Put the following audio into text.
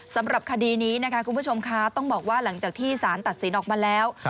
สำหรับคดีนี้นะคะคุณผู้ชมคะต้องบอกว่าหลังจากที่สารตัดสินออกมาแล้ว